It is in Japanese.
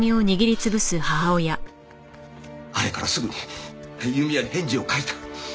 あれからすぐに由美は返事を書いた。